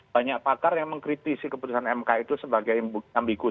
banyak pakar yang mengkritisi keputusan mk itu sebagai ambigu